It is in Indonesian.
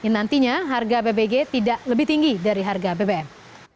nantinya harga bbg tidak lebih tinggi dari harga bbm